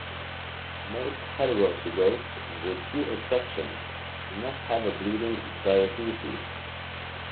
Most heterozygotes, with few exceptions, do not have a bleeding diathesis.